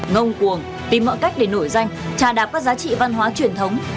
ngông cuồng tìm mọi cách để nổi danh trà đạp các giá trị văn hóa truyền thống